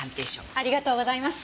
ありがとうございます。